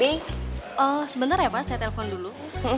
eee sebentar ya pas saya telpon dulu